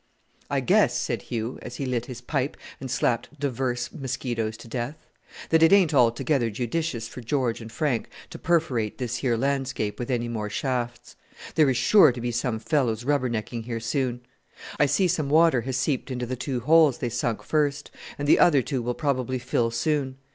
"I guess," said Hugh, as he lit his pipe, and slapped divers mosquitoes to death, "that it ain't altogether judicious for George and Frank to perforate this here landscape with any more shafts. There is sure to be some fellows rubber necking here soon. I see some water has seeped into the two holes they sunk first, and the other two will probably fill soon.